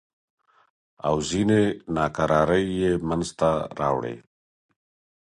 او ځینې ناکرارۍ یې منځته راوړې.